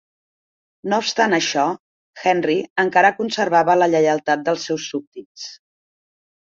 No obstant això, Henry encara conservava la lleialtat dels seus súbdits.